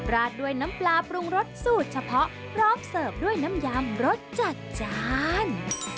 ราดด้วยน้ำปลาปรุงรสสูตรเฉพาะพร้อมเสิร์ฟด้วยน้ำยำรสจัดจาน